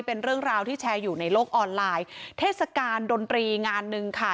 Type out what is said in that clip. เป็นเรื่องราวที่แชร์อยู่ในโลกออนไลน์เทศกาลดนตรีงานหนึ่งค่ะ